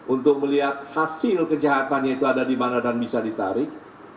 untuk melihat hasil kejahatannya itu ada di mana dan bisa ditarik